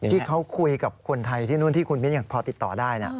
ที่เขาคุยกับคนไทยที่นู่นที่คุณมิ้นยังพอติดต่อได้นะ